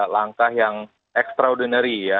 langkah yang extraordinary ya